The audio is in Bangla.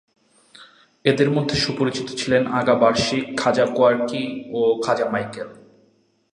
এদের মধ্যে সুপরিচিত ছিলেন আগা বারশিক, খাজা কায়োর্কি ও খাজা মাইকেল।